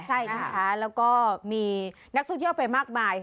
ใช่นะคะแล้วก็มีนักท่องเที่ยวไปมากมาย